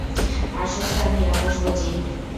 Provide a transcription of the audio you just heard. Ashok sir নিরামিষভোজী।